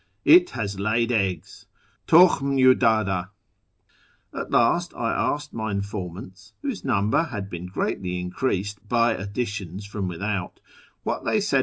It has laid eggs — Tukhm yu dddd. At last I asked my informants (whose number had been greatly increased by additions from without) what they said ^ Cf.